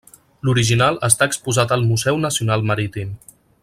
L'original està exposat al Museu Nacional Marítim.